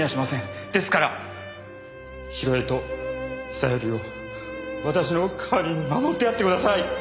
ですから広江と小百合を私の代わりに守ってやってください。